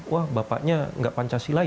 wah bapaknya nggak pancasila